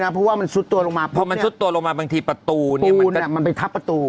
เพราะว่ามันซุดตัวลงมาพอมันซุดตัวลงมาบางทีประตูมันไปทับประตู